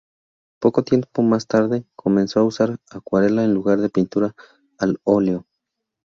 Poco tiempo más tarde, comenzó a usar acuarela en lugar de pintura al óleo.